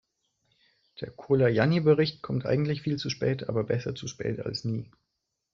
Der Colajanni-Bericht kommt eigentlich viel zu spät, aber besser zu spät als nie.